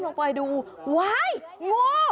ลงไปดูว้ายงู